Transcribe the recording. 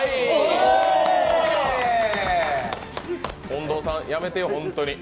近藤さん、やめて本当に。